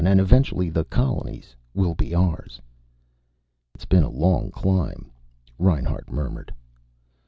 And eventually the colonies will be ours." "It's been a long climb," Reinhart murmured.